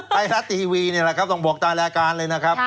ไทยรัฐทีวีนี่แหละครับต้องบอกตามรายการเลยนะครับ